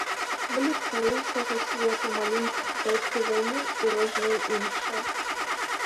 Былі цары ўсяго свету, малюнкі кітайскай вайны і розныя іншыя.